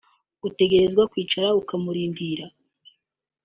utegerezwa kwicara ukamurindira